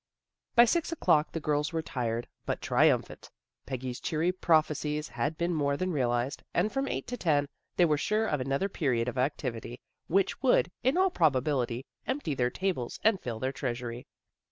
By six o'clock the girls were tired but tri umphant. Peggy's cheery prophesies had been more than realized, and from eight to ten they were sure of another period of activity, which would, in all probability, empty their tables and fill their treasury.